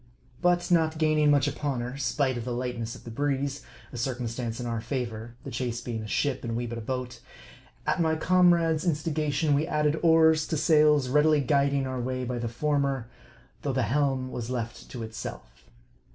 But not gaining much upon her, spite of the lightness of the breeze (a circumstance in our favor : the chase being a ship, and we but a boat), at my comrade's instigation, we added oars to sails, readily guiding our way by the former, though the helm was left to itself.